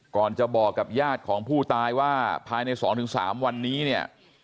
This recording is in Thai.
ก่อนจะบอกกับญาติของผู้ตายว่าภายใน๒๓วันนี้เนี่ย